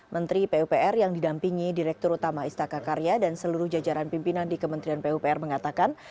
menteri pupr yang didampingi direktur utama istaka karya dan seluruh jajaran pimpinan di kementerian pupr mengatakan